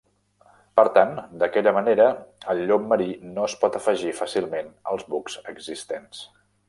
Per tant, d'aquella manera el llop marí no es pot afegir fàcilment als bucs existents.